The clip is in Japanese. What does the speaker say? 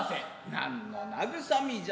何の慰みじゃ。